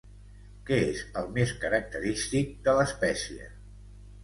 Què és el més característic de l'espècie?